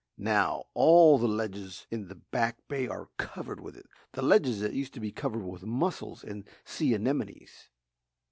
Now, all the ledges in the back bay are covered with it the ledges that used to be covered with mussels and sea anemones."